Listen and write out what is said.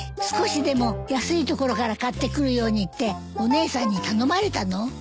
少しでも安い所から買ってくるようにってお姉さんに頼まれたの？